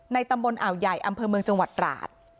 ตำบลอ่าวใหญ่อำเภอเมืองจังหวัดตราด